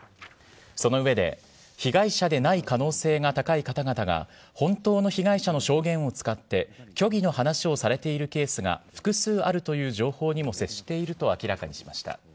その上で、被害者でない可能性が高い方々が、本当の被害者の証言を使って、虚偽の話をされているケースが複数あるという情報にも接していると明らかにしました。